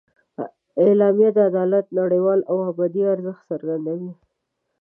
اعلامیه د عدالت نړیوال او ابدي ارزښت څرګندوي.